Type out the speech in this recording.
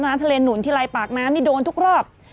น้ำทะเลหนุนทีไรปากน้ำนี่โดนทุกรอบ